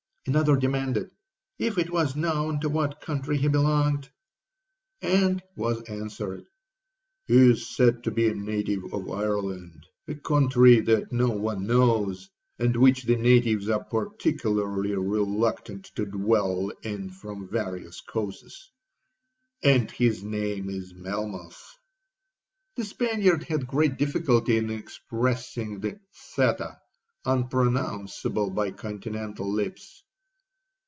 Another demanded, 'If it was known to what country he belonged?' and was answered, 'He is said to be a native of Ireland—(a country that no one knows, and which the natives are particularly reluctant to dwell in from various causes)—and his name is Melmoth.' The Spaniard had great difficulty in expressing the theta, unpronounceable by continental lips.